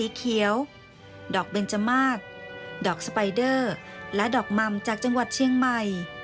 ดอกเบนจมากดอกสไปเดอร์และดอกมัมจากจังหวัดเชียงใหม่